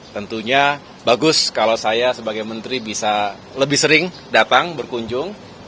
tentunya bagus kalau saya sebagai menteri bisa lebih sering datang berkunjung